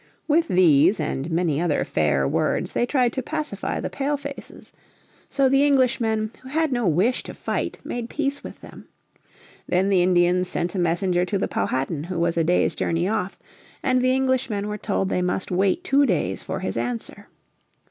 With these and many other fair words they tried to pacify the Pale faces. So the Englishmen, who had no wish to fight, made peace with them. Then the Indians sent a messenger to the Powhatan who was a day's journey off; and the Englishmen were told they must wait two days for his answer.